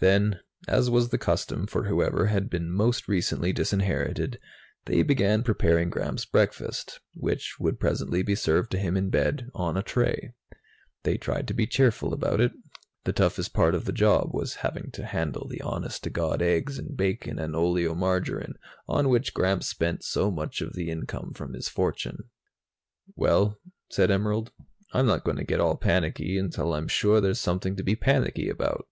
Then, as was the custom for whoever had been most recently disinherited, they began preparing Gramps' breakfast, which would presently be served to him in bed, on a tray. They tried to be cheerful about it. The toughest part of the job was having to handle the honest to God eggs and bacon and oleomargarine, on which Gramps spent so much of the income from his fortune. "Well," said Emerald, "I'm not going to get all panicky until I'm sure there's something to be panicky about."